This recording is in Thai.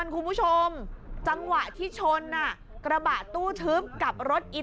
คุณผู้ชมที่ชนกระบาดตู้ทึบกับรถอี